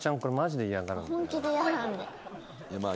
本気で嫌なんで。